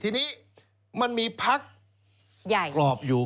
ทีนี้มันมีพักครอบอยู่มันมีพักใหญ่